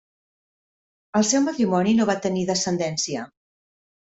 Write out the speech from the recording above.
El seu matrimoni no va tenir descendència.